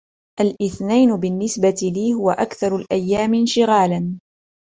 الاثنين -بالنسبة لي- هو أكثر الأيام انشغالًا.